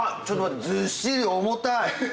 ちょっと待ってずっしり重たい。